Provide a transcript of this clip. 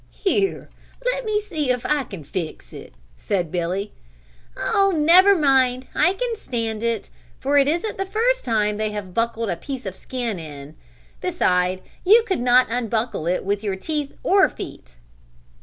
"Here let me see if I can't fix it," said Billy. "Oh never mind, I can stand it, for it isn't the first time they have buckled a piece of skin in; beside you could not unbuckle it with your teeth or feet."